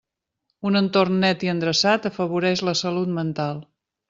Un entorn net i endreçat afavoreix la salut mental.